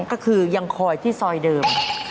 ก็คือยังคอยที่ซอยเดิม